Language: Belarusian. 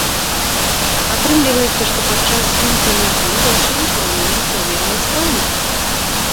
Атрымліваецца, што падчас здымка нагі дзяўчыне паралельна праверылі страўнік?!